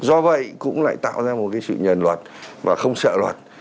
do vậy cũng lại tạo ra một cái sự nhờn luật và không sợ luật